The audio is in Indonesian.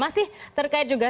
masih terkait juga